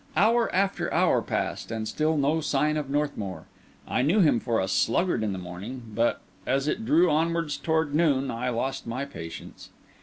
Hour after hour passed, and still no sign of Northmour. I knew him for a sluggard in the morning; but, as it drew on towards noon, I lost my patience.